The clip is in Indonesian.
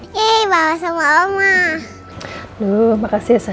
iya sama omah lu makasih sayang thank you ya pokoknya rina mama titip untuk jagain omaya ya